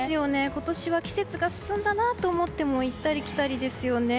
今年は季節が進んだと思っても行ったり来たりですね。